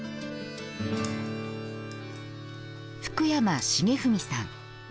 福山重文さん。